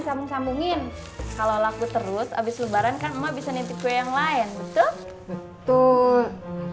kamu sambungin kalau laku terus habis lebaran kan mau bisa nitip yang lain betul betul